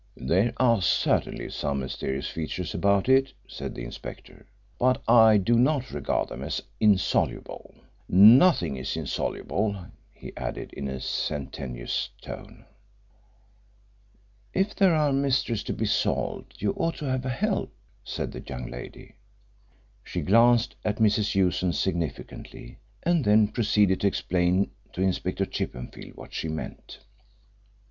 "There are certainly some mysterious features about it," said the inspector. "But I do not regard them as insoluble. Nothing is insoluble," he added, in a sententious tone. "If there are mysteries to be solved you ought to have help," said the young lady. She glanced at Mrs. Hewson significantly, and then proceeded to explain to Inspector Chippenfield what she meant.